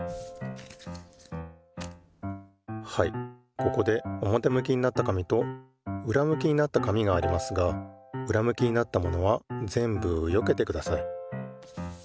ここでおもてむきになった紙とうらむきになった紙がありますがうらむきになったものはぜんぶよけてください。